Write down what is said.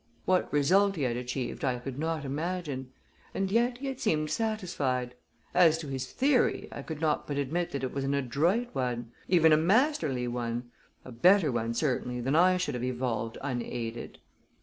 What result he had achieved I could not imagine. And yet he had seemed satisfied. As to his theory, I could not but admit that it was an adroit one; even a masterly one a better one, certainly, than I should have evolved unaided.